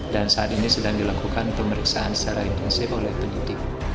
dan saat ini sedang dilakukan pemeriksaan secara intensif oleh penyitip